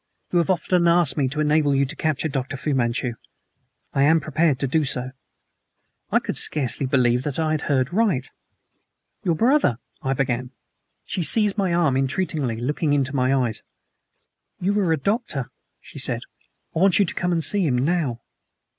You have often asked me to enable you to capture Dr. Fu Manchu. I am prepared to do so." I could scarcely believe that I heard right. "Your brother " I began. She seized my arm entreatingly, looking into my eyes. "You are a doctor," she said. "I want you to come and see him now."